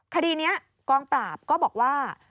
คดีนี้กองปราบก็บอกว่า